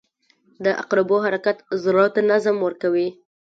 • د عقربو حرکت زړه ته نظم ورکوي.